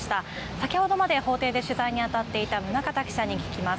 先ほどまで法廷で取材にあたっていた宗像記者に聞きます。